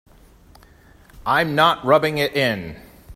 I'm not rubbing it in.